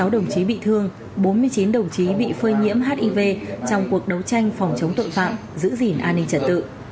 sáu đồng chí bị thương bốn mươi chín đồng chí bị phơi nhiễm hiv trong cuộc đấu tranh phòng chống tội phạm giữ gìn an ninh trật tự